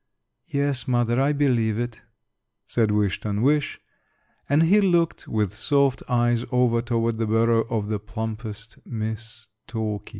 "Yes, mother; I believe it," said Wish ton wish, and he looked with soft eyes over toward the burrow of the plumpest Miss Talky.